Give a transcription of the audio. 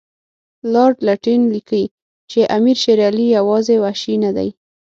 لارډ لیټن لیکي چې امیر شېر علي یوازې وحشي نه دی.